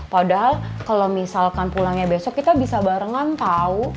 padahal kalau misalkan pulangnya besok kita bisa barengan tahu